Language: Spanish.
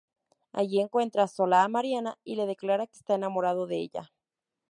Allí encuentra sola a Mariana y le declara que está enamorado de ella.